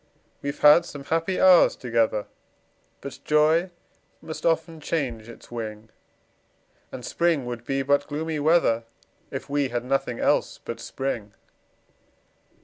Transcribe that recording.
We've had some happy hours together, But joy must often change its wing; And spring would be but gloomy weather, If we had nothing else but spring.